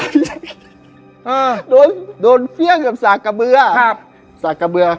อ่าโดนโดนเครื่องกับศาสตร์กระเบือครับศาสตร์กระเบือ